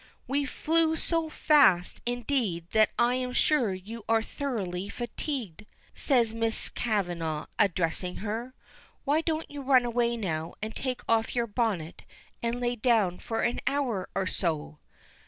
"We flew so fast indeed that I am sure you are thoroughly fatigued," says Miss Kavanagh, addressing her. "Why don't you run away now, and take off your bonnet and lay down for an hour or so?"